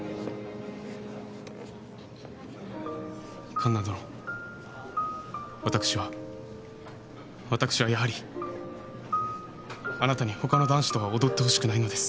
カンナ殿私は私はやはりあなたに他の男子とは踊ってほしくないのです。